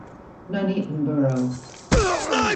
Nuneaton Borough